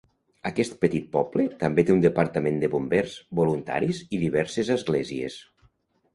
Aquest petit poble també té un departament de bombers voluntaris i diverses esglésies.